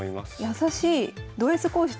優しい。